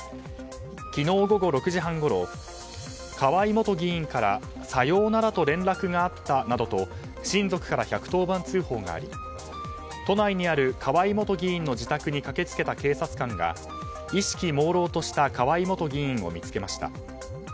昨日午後６時半ごろ河井元議員からさようならと連絡があったなどと親族から１１０番通報があり都内にある河井元議員の自宅に駆けつけた警察官が、意識もうろうとした河井元議員を見つけました。